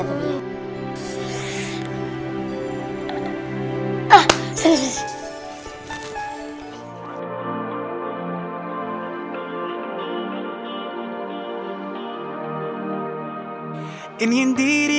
ah sini sini sini